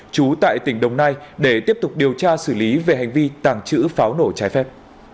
trú tại tỉnh đồng nai để tiếp tục điều tra xử lý về hành vi tàng trữ pháo nổ trái phép